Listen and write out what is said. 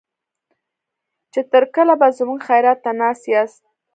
چې تر کله به زموږ خيرات ته ناست ياست.